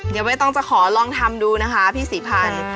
เดี๋ยวใบตองจะขอลองทำดูนะคะพี่ศรีพันธ์